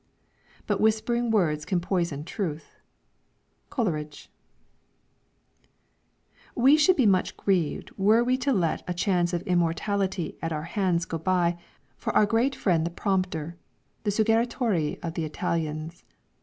"But whispering words can poison truth." COLERIDGE. We should be much grieved were we to let a chance of immortality at our hands go by, for our great friend the prompter the suggeritore of the Italians.